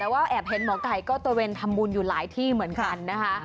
แต่ว่าแอบเห็นหมอไก่ก็ตระเวนทำบุญอยู่หลายที่เหมือนกันนะคะ